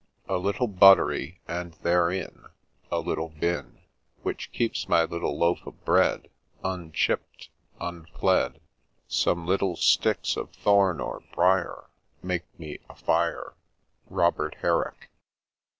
" A little buttery, and therein A little bin. Which keeps my little loaf of bread Unchipt, unflead ; Some little sticks of thorn or brier Make me a fire." — Robert Hbrrick.